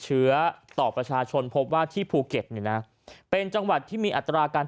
เชื้อต่อประชาชนพบว่าที่ภูเก็ตเนี่ยนะเป็นจังหวัดที่มีอัตราการ